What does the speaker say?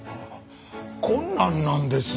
困難なんです。